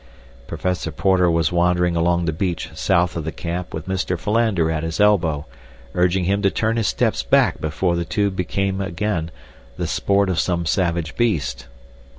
Professor Porter was wandering along the beach south of the camp with Mr. Philander at his elbow, urging him to turn his steps back before the two became again the sport of some savage beast.